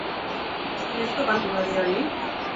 Noizko kantu berri hori?